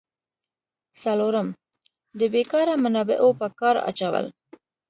څلورم: د بیکاره منابعو په کار اچول.